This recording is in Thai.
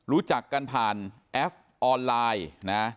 รู้จักกันผ่านแอปออนไลน์นะ